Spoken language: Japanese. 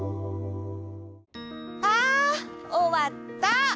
あおわった！